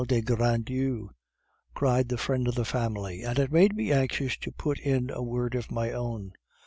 de Grandlieu," cried the friend of the family, "and it made me anxious to put in a word of my own.